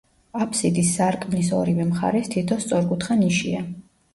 აფსიდის სარკმლის ორივე მხარეს თითო სწორკუთხა ნიშია.